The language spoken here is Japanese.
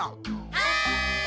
はい！